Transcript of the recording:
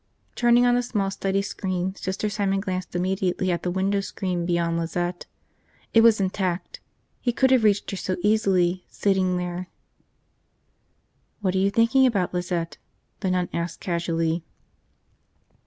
Turning on the small study lamp, Sister Simon glanced immediately at the window screen beyond Lizette. It was intact. He could have reached her so easily, sitting there. ... "What are you thinking about, Lizette?" the nun asked casually.